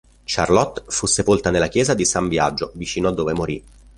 Charlotte fu sepolta nella chiesa di San Biagio, vicino a dove morì.